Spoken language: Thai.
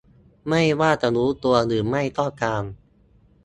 ไม่ว่าจะรู้ตัวหรือไม่ก็ตาม